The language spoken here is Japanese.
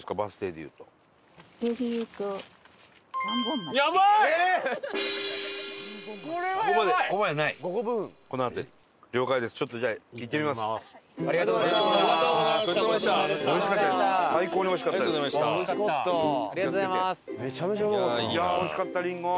いやあおいしかったりんご。